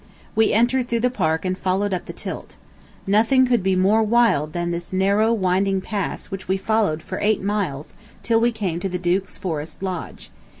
We entered through the Park and followed up the Tilt. Nothing could be more wild than this narrow winding pass which we followed for eight miles till we came to the Duke's forest lodge.